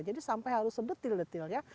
jadi sampai harus sedetil detil ya